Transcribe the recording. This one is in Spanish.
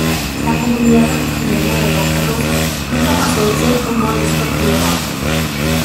La comunidad agustiniana de Roca Rossa nunca pasó de ser un modesto priorato.